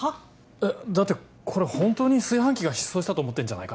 えっだってこれ本当に炊飯器が失踪したと思ってんじゃないかな？